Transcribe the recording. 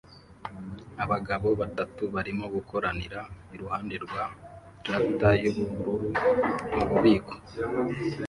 Abagabo batatu barimo gukoranira iruhande rwa traktor y'ubururu mu bubiko